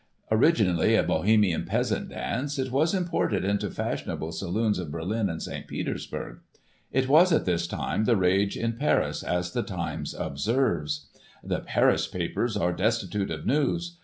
Originally a Bohemian Peasant dance, it was imported into fashionable saloons of Berlin and St Petersburg. It was, at this time, the rage in Paris, as the Times observes :" The Paris papers are destitute of news.